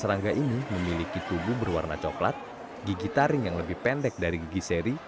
serangga ini memiliki tubuh berwarna coklat gigi taring yang lebih pendek dari gigi seri